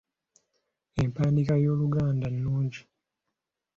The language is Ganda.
Empandiika y’Oluganda nnungi.